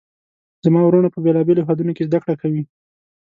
زما وروڼه په بیلابیلو هیوادونو کې زده کړه کوي